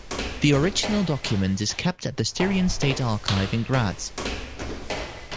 The original document is kept at the Styrian State Archive in Graz.